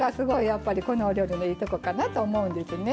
やっぱりこのお料理のいいとこかなと思うんですね。